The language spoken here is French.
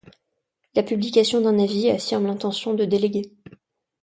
La publication d'un avis affirme l’intention de déléguer.